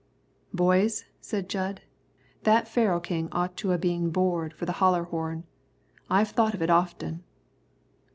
"Boys," said Jud, "that Pharaoh king ought to a been bored for the holler horn. I've thought of it often."